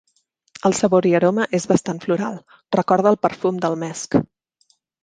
El seu sabor i aroma és bastant floral, recorda el perfum del mesc.